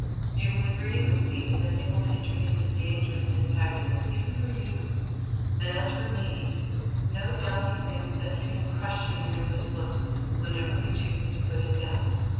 "You will agree with me that Nicol Hendry is a dangerous antagonist even for you, and as for me no doubt he thinks that he can crush me under his foot whenever he chooses to put it down.